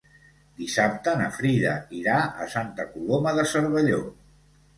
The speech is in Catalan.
Dissabte na Frida irà a Santa Coloma de Cervelló.